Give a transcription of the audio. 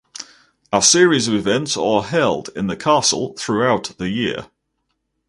A series of events are held in the castle throughout the year.